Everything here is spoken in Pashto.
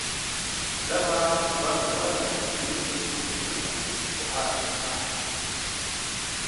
دغه راز بل ورته دلیل د منځني ختیځ په اړه شته.